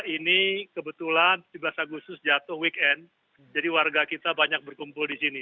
ini kebetulan tujuh belas agustus jatuh weekend jadi warga kita banyak berkumpul di sini